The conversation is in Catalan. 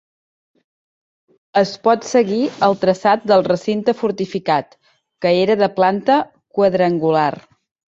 Es pot seguir el traçat del recinte fortificat, que era de planta quadrangular.